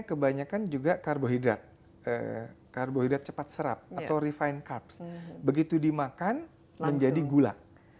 kebanyakan juga karbohidrat karbohidrat cepat serap atau refine carps begitu dimakan menjadi gula